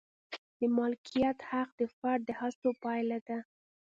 د مالکیت حق د فرد د هڅو پایله ده.